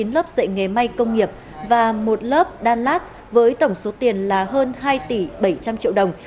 chín lớp dạy nghề may công nghiệp và một lớp đan lát với tổng số tiền là hơn hai tỷ bảy trăm linh triệu đồng